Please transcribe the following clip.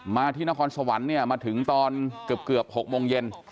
มาที่นครสวรรค์เนี่ยมาถึงตอนเกือบ๖โมงเย็น